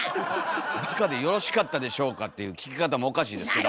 「バカでよろしかったでしょうか」っていう聞き方もおかしいですけど。